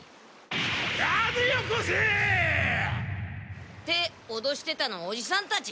カネよこせ！っておどしてたのおじさんたち？